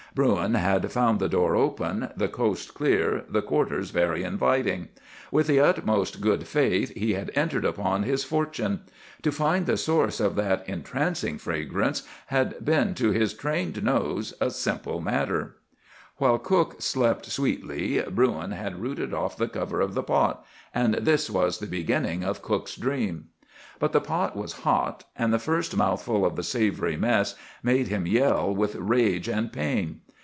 Bruin had found the door open, the coast clear, the quarters very inviting. With the utmost good faith he had entered upon his fortune. To find the source of that entrancing fragrance had been to his trained nose a simple matter. [Illustration: Bruin and the Cook.—Page 83.] "While cook slept sweetly, Bruin had rooted off the cover of the pot, and this was the beginning of cook's dream. "But the pot was hot, and the first mouthful of the savory mess made him yell with rage and pain.